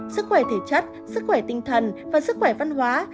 sức khỏe thể chất sức khỏe tinh thần và sức khỏe văn hóa